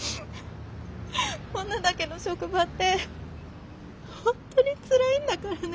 女だけの職場って本当につらいんだからね。